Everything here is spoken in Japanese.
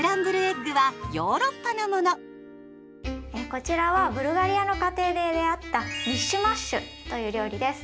こちらはブルガリアの家庭で出会ったミッシュマッシュという料理です。